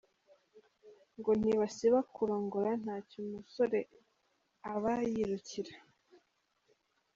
Ngo ntibasiba kurongora , ntacyo umusore aba yirukira.